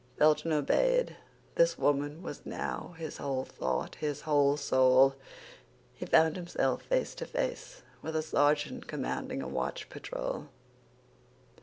Felton obeyed; this woman was now his whole thought, his whole soul. He found himself face to face with a sergeant commanding a watch patrol.